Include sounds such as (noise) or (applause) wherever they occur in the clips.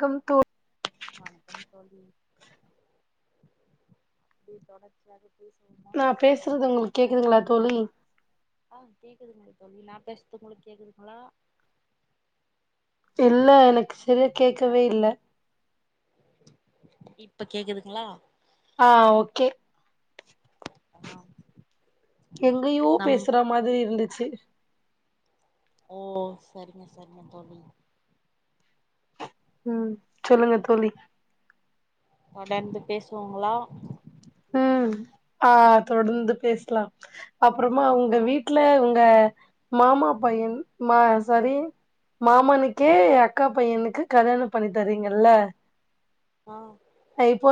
Come தூ வணக்கம் தோழி அப்படி தொடர்ச்சியா இரு நா பேசுறது உங்களுக்கு கேக்குதுங்களா தோழி ஆ கேக்குதுங்க தோழி நா பேசறது உங்களுக்கு கேக்குதுங்களா இல்ல எனக்கு சரியா கேக்கவே இல்ல இப்ப கேக்குதுங்களா ஆஹ் ஓகே ஆஹ் எங்கயோ பேசற மாதிரி இருந்து சரி ஓ சரிங்க சரிங்க தோழி உம் சொல்லுங்க தோழி தொடர்ந்து பேசுவோங்ளா உம் ஆஹ் தொடர்ந்து பேசலாம் அப்புறமா உங்க ஆ வீட்ல உங்க மாமாப்பையன் மா சரி மாமனுக்கே அக்கா பையனுக்கு கல்யாணம் பண்ணி தரீங்கல்ல ஆ இப்போ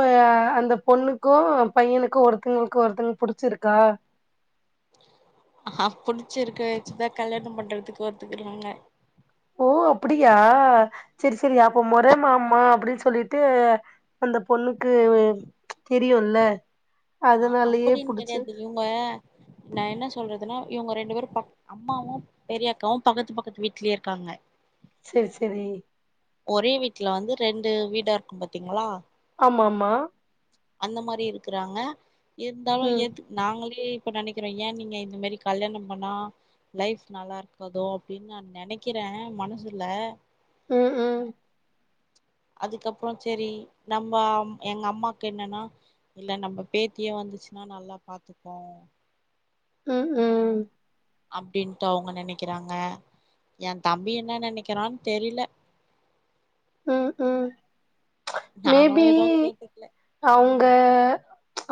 அந்த பொண்ணுக்கு பையனுக்கு ஒருத்தங்களுக்கு ஒருத்தங்க புடிச்சிருக்கா ஆ புடிச்சிருக்க வச்சுதா கல்யாணம் பண்றதுக்கு ஒருத்துக்குறாங்க ஓ அப்படியா செரி செரி அப்ப முறை மாமா அப்படின்னு சொல்லிட்டு அந்த பொண்ணுக்கு தெரியுல்ல ஆ அதனாலயே அப்படின்னு புடிச்சு கெடையாது இவங்க நா என்ன சொல்றதுன்னா இவங்க ரெண்டு பேரு ப்ப அம்மாவு பெரிய அக்காவும் பக்கத்து பக்கத்து வீட்லயே இருக்காங்க செரி செரி ஒரே வீட்டுல வந்து ரெண்டு வீடா இருக்கு பாத்தீங்களா ஆமாம அந்த மாரி இருக்கறாங்க இருந்தாலு ம் ஏத்துக் நாங்களே இப்ப நெனைக்கிறோ ஏ நீங்க இந்த மாரி கல்யாணம் பண்ணா லைஃப் நல்லா இருக்கதோ அப்படின்னு நான் நெனைக்கிறே மனசுல உம் உம் அதுக்கப்புறோ செரி நம்ம எங்க அம்மாக்கு என்னன்னா இல்ல நம்ம பேத்தியே வந்துச்சுன்னா நல்லா பாத்துக்கு உம் உம் அப்படின்ட்டு அவங்க நெனைக்கிறாங்க என் தம்பி என்ன நெனைக்கிறான்னு தெரியல உம் உம் நாங்களு மேபி எதுவு கேட்டுக்கல அவங்க ம்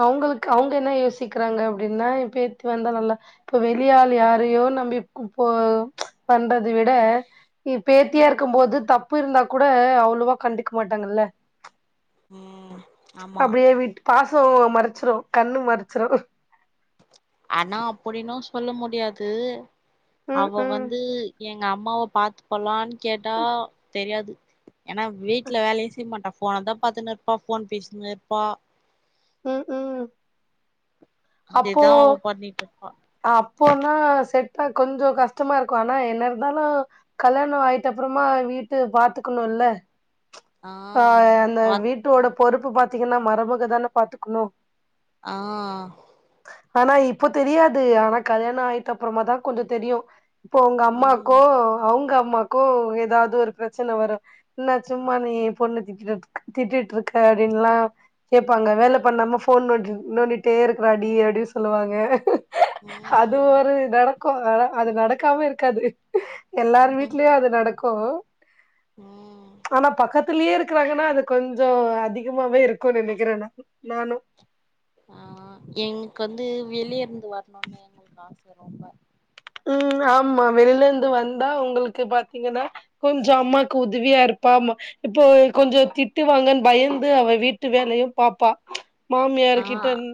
அவங்களுக்கு அவங்க என்ன யோசிக்கிறாங்க அப்படின்னா பேத்தி வந்தா நல்லா இப்ப வெளியாள் யாரையையோ நம்பி போ பண்றத விட ஏ பேத்தியா ம் இருக்கும்போது த புருந்தா கூட அவ்வளோவா கண்டுக்க மாட்டாங்கல்ல உம் அப்படியே விட்டு பா சோ மறைச்சிரு கண்ணு மறைச்சிரு ஆனா அப்படின்னு சொல்ல முடியாது ம் அவ ம் வந்து எ நா அம்மாவ பாத்தப்ல்லா கேட்டா தெரியாது ஏன்னா வீட்ல வேலயு செய்ய மாட்டா போன தா பாத்துன்னு இருப்பா போன் பேசின்னிருப்பா உம் உம் அத்தேதா அவ பண்ணிட்டு இருப்பா அப்போனா செட்டா கொஞ்சோ கஷ்டமா இருக்கு ஆனா என்ன இருந்தாலு கல்யாண ஆயிட்டப்புறமா வீட்ட பாத்துக்கணுல்ல ஆ அந்த பாத் வீட்டோட பொறுப்பு பாத் தீங்னா மருமகதான பாத்துக்கணு ஆ ஆனா இப்ப தெரியாது ஆனா கல்யாண ஆயிட்ட அப்புறமா தா கொஞ்சு தெரியு இப்போ உங்க அம்மாக்கோ ம் அவங்க அம்மாக்கு ஏதாதொரு பிரச்சன வரு என்ன சும்மா நீ பொன்ன திட்டினதுக்கு திட்டிட்டுருக்க அப்படின்னுல்லா கேபாங்க வேல பண்ணாம போன் நோண்ட் நோண்டிட்டே இருக்கிறாடி அப்டீனு சொல்லுவாங்க அது ம் ஒரு நடக் க்கு அது நடக்காம இருக்காது எல்லார் ம் வீட்லயு அது நடக் கு ம் ஆனா பக்கத் க்கறாங்கன்னா அது கொஞ்சோ அதிகமாவே இருக்குனு நெனைக்கிறே நா நானு ஆஹ் எங்ளுக்கு வந்து வெளியருந்து வரணுனு எங்களுக்கு ஆச ரொம்ப உம் ஆமா வெளில இருந்து வந்தா உங்களுக்கு பாத்தீங்கன்னா கொஞ்சோ அம்மாக்கு உதவியா இருப்பா ஆமா இப்போ கொஞ்சோ திட்டு வாாங்கன்னு பயந்து அவ வீட்டு வேலையு பாப்பா ஆ மாமியார்க்கிட்டருந்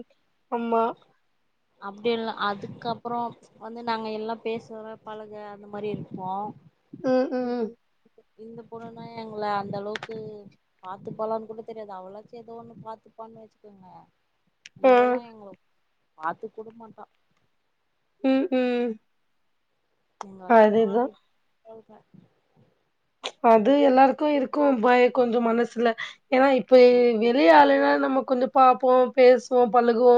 அம்மா அப்படி இல்ல அதுக்கப்புறோ ச்சு வந்து நாங்க எல்லா பேசற பழக அந்த மாரி இருப்போ ம் இது ம் இந்த பொண்ணுதா எங்கள அந்த அளவுக்கு பாத்துப்பாளான்னு கூட தெரியாது அவளாச்சு ஏதோ ஒண்ணு பாத்துப்பான்னு வெச்சுக்கங்க ஆ இவல்லா எங்களுக்கு பாத்துக்கூட மாட்டா உம் உம் எங்க அக்காங்கல்லா விட் (unintelligible) ச்சு அது எல்லாருக்கு இருக்கு பயோ கொஞ்சோ மனசுல ஏன்னா இப்ப வெளி ஆளுக நமக் கொஞ்சோ பாப்போ பேசுவோ பழகுவோ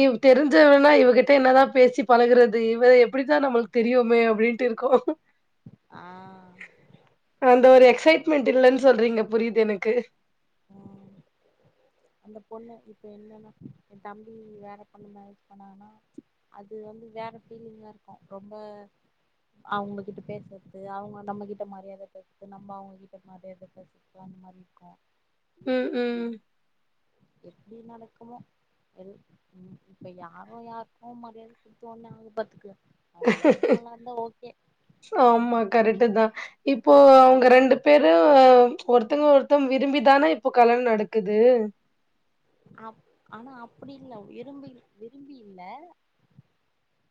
இவ தெரிஞ்சவனா இவகிட் த்து என்னதா பேசி பழகுறது இவ எப்படின்தா நம்ளுக்கு தெரியுமே அப்படின்ட்டு இருக்கோ ஆஹ் அந்த ஒரு எக்சைட்மென்ட் இல்லன்னு சொல்றீங்க புரியிது எனக்கு ம் அந்த பொண்ணு இப்ப என்னன்னா என் தம்பி வேற பொண்ணு மேரேஜ் பண்ணன்னா அது வந்து வேற ஃபீலிங்கா இருக்கும் ரொம்ப அவங்க கிட்ட பேசுறது அவங்க நம்மகிட்ட மரியாதையா பேசுறது நம்ம அவங்ககிட்ட மரியாதையா பேசுறதுல அந்த மாரி இருக்கும் உம் உம் எப்படி நடக்குமோ எல் உம் இப்ப யாரு யாருக்கும மரியாதை கொடுத்து ஒன்னு ஆக பாத்துக்க நம்ம லைஃப் நல்லா இருந்தா ஓகே கரெக்ட் தான் இப்போ அவங்க ரெண்டு பேரும் ச்சு ஒருத்தங்க ஒருத்தங்க விரும்பிதானே இப்போ கல்யாண நடக்குது அப் ஆனா அப்படி இல்ல விரும்பி விரும்பி இல்ல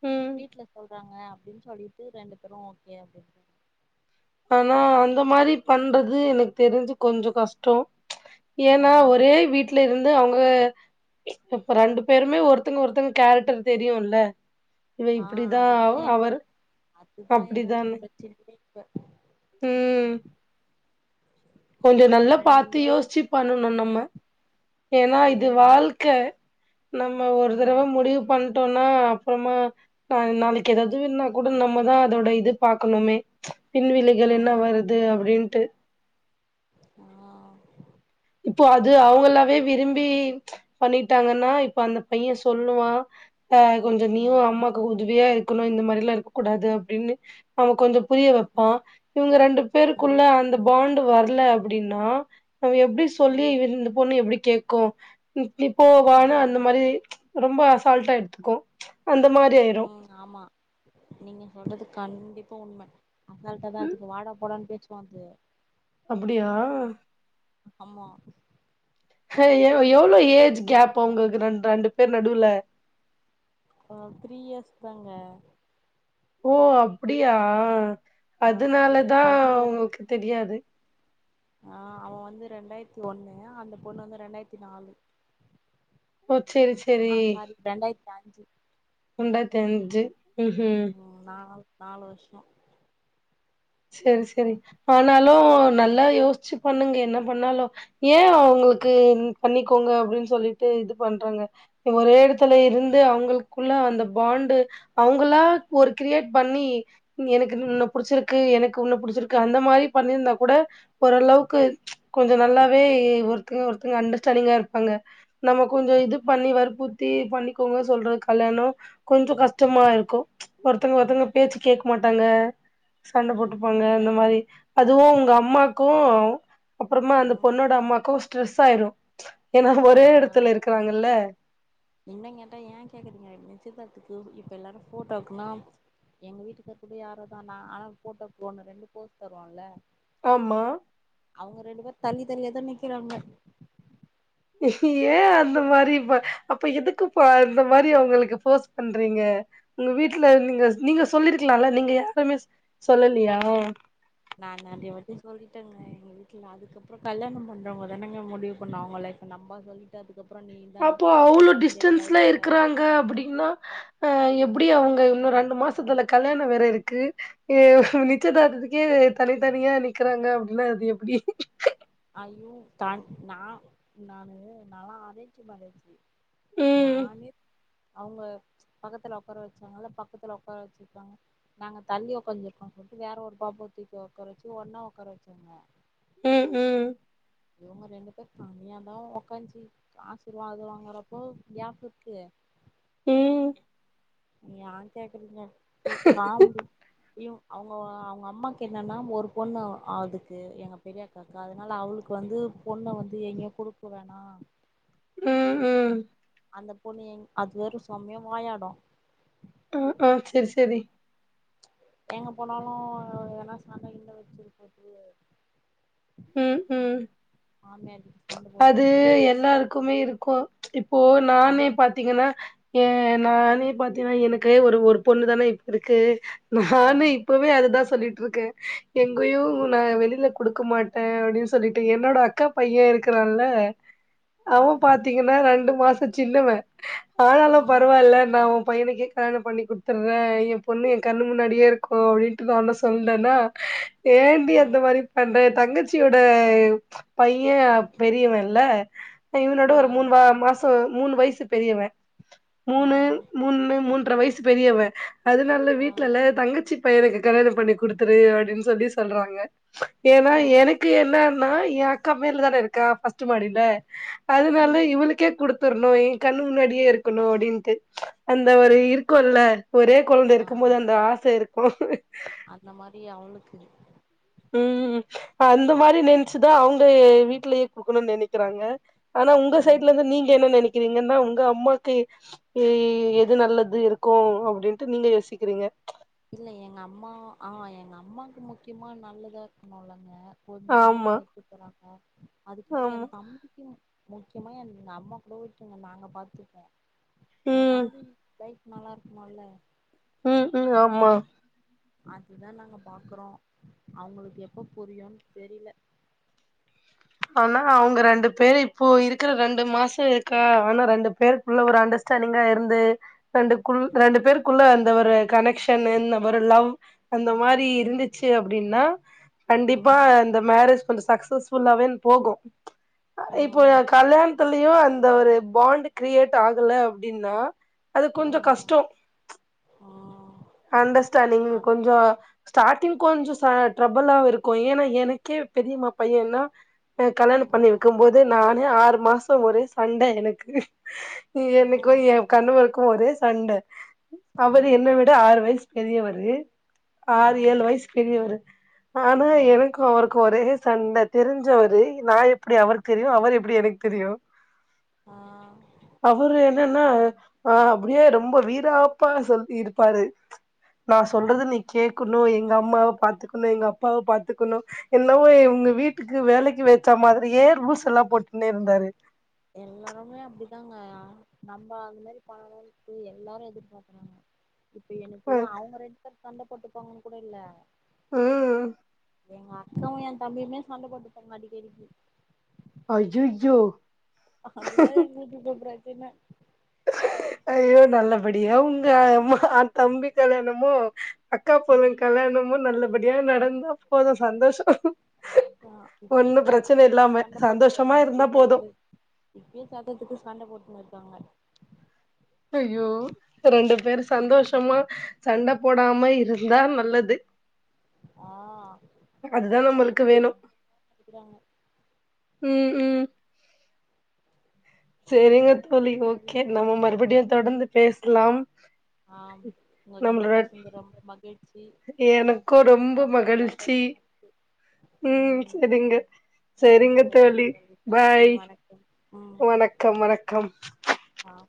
ம். வீட்ல சொல்றாங்க ஆப் அப்படின்னு சொல்லிட்டு ரெண்டு பேரும் ஓகே அப்படின்னு ஆனா அந்த மாரி பண்றது எனக்கு தெரிஞ்சு கொஞ்சோ கஷ்டோ ச்சு ஆ ஏன்னா ஒரே வீட்டுல இருந் து அவங்க இப்ப ரெண்டு பேருமே ஒருத்தங்க ஒருத்தங்க கேரக்டர் தெரியு இல்ல ஆ அதுதா எங்களுக் அதுதா எங்களுக்கு பிரச்சின்னயெ வ உம் கொஞ்சோ நல்லா பாத்து ரெண்டு யோசிச்சு பண்ணனும் நம்ம ஏன்னா இது ம் வாழ்க்க நம்ம ஒரு தடவை ம் முடிவு பண்ணுட் ட்டோனா அப்புறமா நா நாளைக்கு எதாதுனா கூட நம்மதான் அதோட இது பாக்கணுமே பின்விளைகள் என்ன ம் வருது அப்படின்னு ட்டு ஹா இப்போ அது அவங்களாவே விரும்பி பண்ணிட்டாங்கன்னா இப்ப அந்த பைய சொல்லுவா ஆ கொஞ்சோ நீயு ம் அம்மாக்கு கொஞ்ச உதிவையா இருக்கணும் இந்த மாரிலாம் இருக்கக்கூடாது அப்டின்னு அவங்க கொஞ்சோ புரிய ம் வெப்பான் இவங்க ரெண்டு பேருக்குள்ள ம் அந்த பாண்ட் வரல அப்படின்னா நம்ம எப்டி சொல்லி ம் இந்த பொண்ணு எப்டி கேக்கும் உ இப்போ வான ஆ அந்த மாரி ரொம்ப அசால்ட்டா எடுத்துக்கும் உம் ஆமா நீங்க சொல்றதுக் கண்டிப்பா உண்ம அசால்டா தா அதுக்கு வாடா போடான்னு பேச்சு பாத்து அப்படியா ஆமா ஹய்யோ எவ்ளோ ஏஜ் கேப் அவுங்ளுக்கு ரெண் ரெண்டு பேர் நடுல அஹ் த்ரீ இயர்ஸ் தாங்க ஓ அப்டியா ஆ எ அதுனாலதா உங்களுக்கு தெரியாது ஆஹ் அவ வந்து ரெண்டாயிரத்தி ஒண்ணு அந்த பொண்ணு வந்து ரெண்டாயிரத்தி நாலு ஓ செரி செரி ஆ சாரி ரெண்டாயிரத்தி அஞ்சு ரெண்டாயிரத்தி அஞ்சு உஹ்ம் உம் ம் நாலு நாலு வர்ஷோ செரி செரி ஆனாலு நல்லா யோஸ்ச்சு பண்ணுங்கே என்ன பண்ணாலு ஏ அவுங்களுக்கு பண்ணிக்கோங்க அப்டின்னு சொல்லிட்டு இது பண்றாங்க ஒரே எடத்துல இருந்து அவுங்களுக்குள்ள அந்த பாண்டு அவுங்களா ஒரு க்ரியேட் பண்ணி எனக்குன் புடிச்சிருக் கு எனக்கு ஒன்ன புடிச்சிருக்கு அந்த மாரி பண்ணிருந்தா கூட ஓரளவுக்கு கொஞ்சோ நல்லாவே ஒருத்தங்க ஒருத்தங்க அண்டர்ஸ்டாண்டிங்கா இருப்பாங்க நம்ம கொஞ்சோ இது பண்ணி வற்புற்த்தி பண்ணிக்கோங்க சொல்ற கல்யாணோ கொஞ்சோ கஷ்டமா இருக்கு ஒருத்தங்க ஒருத்தங்க பேச்சு கேக்க மாட்டாங்க சண்ட போட்டுபாங்க அந்த மாரி அதுவு உங்க அம்மாக்கு அப்பறமா அந்த ம் பொண்ணோட அம்மாக்கு ஸ்ட்ரெஸ் ஆயிரு ஏன்னா ஒரே எடத்துல இருக்கறாங்கல்ல இன்னு கேட்டா ஏ கேக்குறீங்க நிச்யத்தாத்துக்கு இப்ப எல்லாரு ஃபோட்டோவுக்குன்னா எங்க வீட்டுக்கார் கூட யாரோ தா நா ஆனா ஃபோட்டோக் ஒன்னு ரெண்டு போஸ் தருவோல்ல ஆமா அவுங்க ரெண்டு பேர் தள்ளி தள்ளியேதா நிக்கிறாங்க ஏ அந்த மாரி ப அப்ப எதுக்குப்பா அந்த மாரி அவுங்களுக்கு போஸ் பண்றீங்க உங்க வீட்ல நீங்க நீங்க சொல்லிருக்லால நீங்க யாருமே சொல்லலியா நா நறையா வாட்டி சொல்லிட்டங்க எங்க வீட்ல அதுக்கப்றோ கல்யாணோ பண்றவங்க தானங்க முடிவு பண்ணு அவுங்க லைஃப நம்ப சொல்லிட்டு அதுக்கப் அப்போ அவ்ளோ டிஸ்டன்ஸ்லா இருக்குறாங்க அப்புடின்னா ஆ எப்டி அவுங்க இன்னு ரெண்டு மாசத்துல கல்யாணோ வேற இருக்கு ஏ நிச்யதார்த்தத்துக்கே தனித் தனியா நிக்கிறாங்க அப்டின்னா அது எப்டி ஐயோ தா நா நானு நால்லா அரேன்ஜ் மேரேஜி ம் நானே அவுங்க பக்கத்ல ஒக்கார வச்சாங்கல்ல பக்கத்துல ஒக்கார வச்சிருக்காங்க நாங்க தள்ளி ஒக்காஞ்சிருக்கோ சொல்ட்டு வேற ஒரு பாப்பாவ தூக்கி ஒக்கார வச்சு ஒன்னா ஒக்கார வச்சாங்க உம் உம் இவுங்க ரெண்டு பேர் தனியாதா ஒக்காஞ்சி ஆசிர்வாதோ வாங்குறப்போ கேப் இருக்கு உம் யா கேக்குறீங்க காமெடி யு அவுங்கோ அவுங்க அம்மாக்கு என்னன்னா ஒரு பொண்ணு அதுக்கு எங்க பெரிய அக்காக்கு அதுனால அவுளுக்கு வந்து பொண்ணு வந்து எங்கயு குடுக்க வேணா உம் உம் அந்த பொண்ணு எங் அது வேற சொமயா வாயாடு அ அ செரி செரி எங்க போனாலு எதனா சண்ட இண்ட வெச்சிற போது உம் உம் கிட்ட சண்ட போட்டு அது வந்துரு எல்லாருக்குமே இருக்கு இப்போ ஆ நானே பாத்தீங்கன்னா ஏ நானே பாத்தீங்னா எனக்கு ஒரு ஒரு பொண்ணு தான இப்ப இருக்கு நானே ம் இப்பவே அதுதா சொல்லிட் ட்ருக்க எங்கயு ம் நா வெளில குடுக்க மாட் ட அப்டின் சொல்லிட்டு என்னோட அக்கா பைய இருக்குறான்ல அவ பாத்தீங்கன்னா ரெண்டு மா சொ சின்னவ ஆனாலு ம் பரவால்ல நா ஒ பையனுக்கே கல்யாணம் பண்ணி குடுத்துர்ற ஏம் பொண்ணு ஏ கண்ணு முன்னாடியே இருக்கு அப்டின்ட்டு நாந்தா சொ சொன்னனா ஏண்டி ம் அந்த மாரி பண்ற தங்கச் சியோட பைய பெரியவல்ல இவனோட ஆ ஆ ஒரு மூணு வா மாஸ் இப்போ மூணு வைசு பெரியவ மூணு மூண்ணு மூண் ற வயசு பெரியவ அதுனால ஆ ஆ வீட்லல்லா ஏ தங்கச்சி பையனுக்கு கல்யாணம் பண்ணி குடுத்துரு அப்டின் சொல்லி சொல்றாங்க ஏனா ஆ எனக் கு என்னனா ஏ அக்கா மேல தான இருக்கா ஃபஸ்ட்டு மாடில அது நாள்தா ம் இவளுக்கே குடுத் த்துரணு ஏ கண் முன்னாடியே இருக்கணு அப்டின்ட்டு அந்த ஒரு இருக்குல்ல ஒரே கொழந்தை ஆ இருக்கும் போது அந்த ஆச இருக்கு அந்த மாரி அவளுக்கு உம் அந்த மாதிரி நெனைச்சுதா அவுங்க வீட்லயே குடுக்கணுன்னு நெனைக்கிறாங்க ஆனா உங்க ம் சைடலருந்து நீங்க என்ன நெனைக் நீங்கன்னா உங்க அம்மாக்கு எது நல்லது இருக்கு அப்டின்ட்டு நீங்க யோசிக்கிறீங்க இல்ல எங்க அம்மா ஆ எங்க அம்மாக்கு முக்கியமா நல்லதா இருக்கணும்லங்க ஒரு நாள ஆமா அவுங்க எக்கு தராங்க அதுக்கிப்பிடி எ ஆமா தம்பிக் முக்கியமா எங்க அம்மாகுட (unintelligible) நாங்க பாத்துப்போ ஏ ம் தம்பி கை நல்லா இருக்கணுல்ல உம் உம் ஆமா அதுதா நாங்க பாக்குறோ அவுங்களுக்கு எப்ப புரியுன் தெரில ஆனா அவுங்க ரெண்டு பேரு இப்போ இருக்கற ரெண்டு மாசோ இருக்கா ஆனா ரெண்டு பேருக்குள்ள ஒரு அண்டர்ஸ்டாண்டிங்கா இருந்து ரெண்டு குள் ரெண்டு பேருக்குள்ள அந்த ஒரு கனெக்ஷன்னு ஒரு லவ் அந்த அ மாரி இருந்துச்சு அப்டின்னா அ கண்டிப்பா இந்த மேரேஜ் கொஞ்சோ சக்சஸ்ஃபுல்லாவே போகும் அ இப்போ கல்யாணத்துலயு அந்த ஒரு பாண்ட் கிரியேட் ஆகல அப்டின்னா அது கொஞ்சோ கஷ்டோ அண்டர்ஸ்டாண்டிங் கொஞ்சோ ஸ்டாட்டிங் கொஞ்சோ ச ட்ரபிளா இருக்கு ஏனா எனக்கே பெரியமா பையனா எனக் கல்யாணோ பண்ணி வைக்கும் போது நானே ஆறு மாசோ ஒரே சண்டை எனக்கு அ என்னைக்கோ ஏ கண்வர் க்கு ஒரே சண்ட அ அவரு என்ன வச் இஸ் பெரியவரு ஆறு ஏழு வயசு பெரியவரு ஆனா எனக்கு அவருக்கு ஒரே சண்ட தெரிஞ்சவரு நா எப்டி அவருக்கு தெரியு அவருக்கு எப்டி எனக்கு தெரியு அவரு என் என்னன்னா ஆஹ் அப்டியே ரொம்ப வீராப்பா சொல்லி இரு பாரு நா ஆஹா சொல்றது நீ கேட்கணு எங் எங்க அம்மாவ பாத்துக்கணு எங்க அப்பாவ பாத்துக்கணு என்னவோ இவுங்க வீட்டுக்கு வேலைக்கு வச்சா மாதிரியே ரூல்ஸ்ஸெல்லா போட்டுன்னே இருந்தாரு எல்லாருமே அப்படி தாங்க நம்ப அது மாதிரி (unintelligible) எல்லாரு எதிர் பாக்கறாங்க இப்ப எனக்கு ம் அவுங்க ரெண்டு பேரு சண்டப் போட்டுப்பாங்கனு கூடல்ல உம் எங் அக்கா ஏ தம்பியுமே சண்டப்போட்டுப்பாங்க அடிக்கடிக்கி அய்யய்யோ அதுதா எங்களுக்கு சூப்பரு பின்ன ஐயோ நல்லபடியா உங்க ஆதம்பி கல்யாணமும் அக்கா பொண்ணுங்க கல்யாணமும் நல்ல படியா நடந்தா போது சந்தோஷோ ஆக இப்பயே ஒன்னும் பிரச்சன இல்லாம சண்ட போட்டுட்டு சந்தோஷமா இருக்காங்க இருந்தா இல்ல போதும் இங்க இப்பயே சத்திரத்துக்கு சண்ட போட்னு இருக்காங்க ஐயோ ரெண்டு பேர் சந்தோஷமா சண்ட போடாம இருந்தா நல்லது ஆ எதாச்சு அதுதா சொன்னா நம்மளுக்கு வேணு திட்றாங்க உம் உம் சரிங்க தோழி ஓகே சரிங்க தோழி நம்ம மறுபடியு தொடர்ந்து பேஸ் க்லாம் ஆம் உங்ககிட்ட பேசுனது ரொம்ப மகிழ்ச்சி எனக்கு ரொம்ப சந்தோஷம் உம் சரிங்க சரிங்க சரி தோழி நன்றி பாய் வணக்கம் ம் வணக்கம் வணக்கம் ஆ